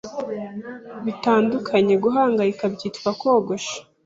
Bitandukanye guhangayika byitwa kogosha